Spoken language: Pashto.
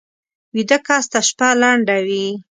ویده کس ته شپه لنډه وي